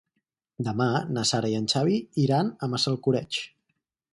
Demà na Sara i en Xavi iran a Massalcoreig.